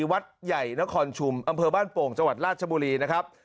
วัดใหญ่นครชุมอำเภอบ้านโป่งจังหวัดราชบุรีนะครับ